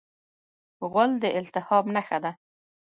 غول د التهاب نښه ده.